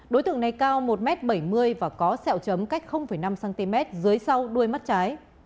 đối tượng này cao một m bảy mươi và có sẹo chấm cách năm cm dưới sau đuôi mắt trái